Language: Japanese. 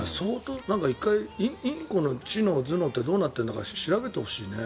１回インコの知能、頭脳ってどうなってるのか調べてほしいね。